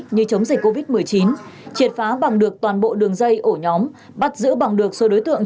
như chống dịch covid một mươi chín triệt phá bằng được toàn bộ đường dây ổ nhóm bắt giữ bằng được số đối tượng